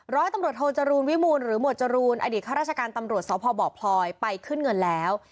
ร้อยตำรวจโทจรูลวิมูลหรือหวดจรูนอดีตข้าราชการตำรวจสพบพลอยไปขึ้นเงินแล้ว